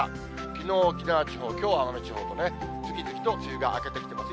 きのう沖縄地方、きょうは奄美地方とね、次々と梅雨が明けてきています。